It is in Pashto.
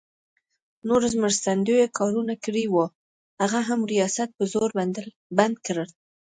نور مرستندویه کارونه کړي وو، هغه هم ریاست په زور بند کړل.